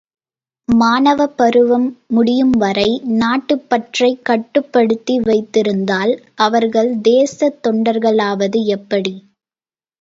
மாணவப் பருவம் முடியும்வரை நாட்டுப்பற்றைக் கட்டுப்படுத்தி வைத்திருந்தால், அவர்கள் தேசத் தொண்டர்களாவது எப்படி?